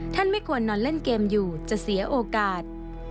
ไม่ควรนอนเล่นเกมอยู่จะเสียโอกาส